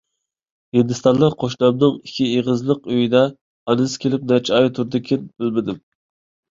ھىندىستانلىق قوشنامنىڭ ئىككى ئېغىزلىق ئۆيىدە ئانىسى كېلىپ نەچچە ئاي تۇردىكىن، بىلمىدىم.